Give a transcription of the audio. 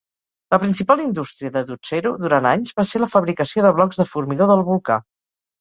La principal indústria de Dotsero durant anys va ser la fabricació de blocs de formigó del volcà.